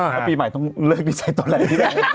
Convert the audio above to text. ต่อปีใหม่ต้องเลิกดิจัยตัวแหละ